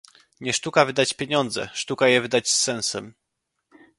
Nie sztuka wydać pieniądze, sztuka je wydać z sensem